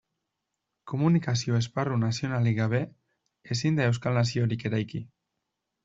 Komunikazio esparru nazionalik gabe, ezin da euskal naziorik eraiki.